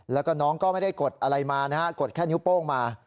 แล้วก็น้องก็ไม่ได้กดอะไรมากนะฮะกดแค่นิ้วโป้งมา